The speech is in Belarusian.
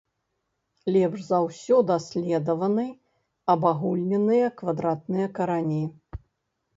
Лепш за ўсё даследаваны абагульненыя квадратныя карані.